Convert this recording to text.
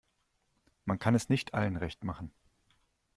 Man kann es nicht allen recht machen.